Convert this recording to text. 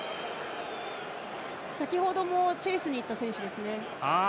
先程もチェイスに行った選手ですね。